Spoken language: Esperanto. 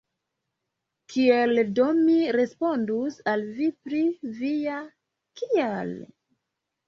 Kiel do mi respondus al vi pri via «kial»?